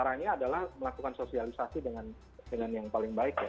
caranya adalah melakukan sosialisasi dengan yang paling baik ya